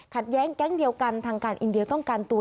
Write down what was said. แย้งแก๊งเดียวกันทางการอินเดียต้องการตัว